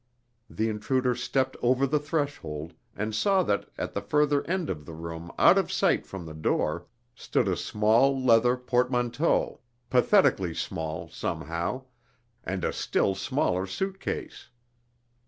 The intruder stepped over the threshold, and saw that, at the further end of the room out of sight from the door, stood a small leather portmanteau pathetically small, somehow and a still smaller suitcase.